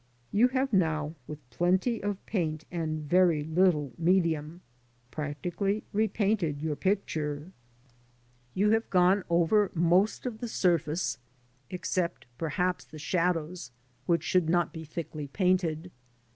You have now, with plenty of paint and very little medium, practically repainted your picture. You have gone over most of 102 LANDSCAPE PAINTING IN OIL COLOUR. the surface, except perhaps the shadows, which should not be thickly painted.